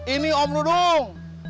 ini om dudung